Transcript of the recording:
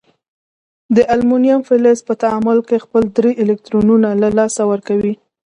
د المونیم فلز په تعامل کې خپل درې الکترونونه له لاسه ورکوي.